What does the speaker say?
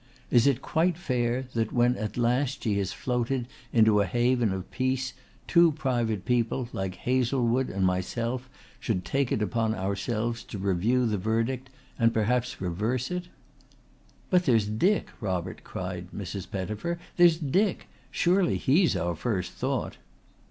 Is it quite fair that when at last she has floated into a haven of peace two private people like Hazlewood and myself should take it upon ourselves to review the verdict and perhaps reverse it?" "But there's Dick, Robert," cried Mrs. Pettifer. "There's Dick. Surely he's our first thought."